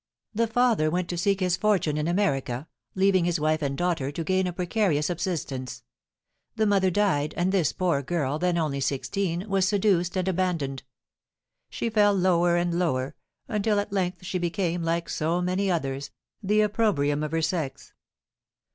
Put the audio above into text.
"The father went to seek his fortune in America, leaving his wife and daughter to gain a precarious subsistence. The mother died, and this poor girl, then only sixteen, was seduced and abandoned. She fell lower and lower, until at length she became, like so many others, the opprobrium of her sex."